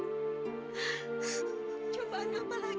untuk kami yang lemah ini